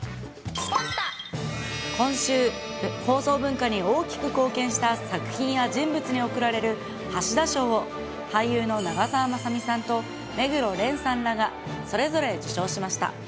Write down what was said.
今週、放送文化に大きく貢献した作品や人物に贈られる橋田賞を、俳優の長澤まさみさんと、目黒蓮さんらがそれぞれ受賞しました。